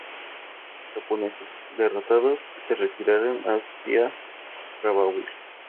Los japoneses, derrotados, se retiraron hacia Rabaul.